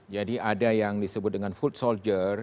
jadi ada yang disebut dengan foot soldier